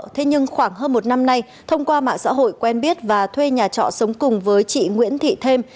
thế nhưng khoảng hơn một năm nay thông qua mạng xã hội quen biết và thuê nhà trọ sống cùng với chị nguyễn thị thêm